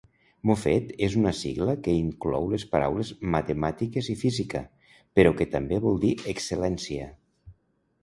Mofet és una sigla que inclou les paraules "matemàtiques" i "física", però que també vol dir "excel·lència".